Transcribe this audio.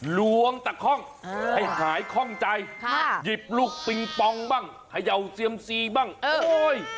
หลวงตะค้องให้หายค้องใจหยิบลูกปิงปองบ้างหย่าวเสียมซีบ้างโอ้ย